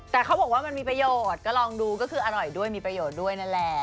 แต่เขาบอกว่ามันมีประโยชน์ก็ลองดูก็คืออร่อยด้วยมีประโยชน์ด้วยนั่นแหละ